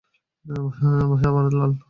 ভাইয়া, ভারত লাল।